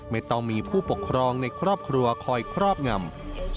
ไม่ต้องมีผู้ปกครองในครอบครัวคอยครอบงำ